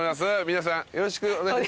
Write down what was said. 皆さんよろしくお願い。